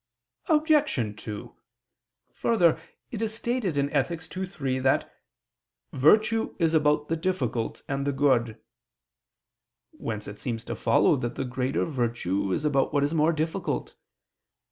Obj. 2: Further, it is stated in Ethic. ii, 3 that "virtue is about the difficult and the good": whence it seems to follow that the greater virtue is about what is more difficult.